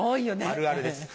あるあるです。